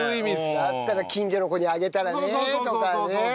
だったら近所の子にあげたらねとかね。